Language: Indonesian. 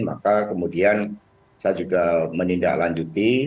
maka kemudian saya juga menindaklanjuti